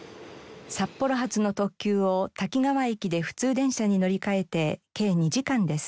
札幌発の特急を滝川駅で普通電車に乗り換えて計２時間です。